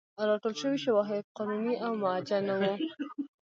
راټول شوي شواهد قانوني او موجه نه وو.